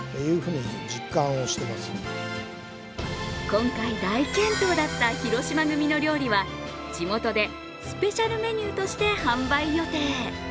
今回、大健闘だった広島組の料理は地元でスペシャルメニューとして販売予定。